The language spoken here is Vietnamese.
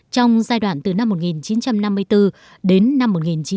trong giai đoạn từ năm một nghìn chín trăm năm mươi bốn đến năm một nghìn chín trăm bảy mươi năm